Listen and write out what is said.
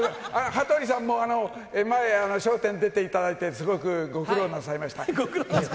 羽鳥さんも前、笑点出ていただいて、すごくご苦労なさいました。